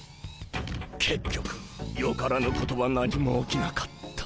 結局よからぬことは何も起きなかった。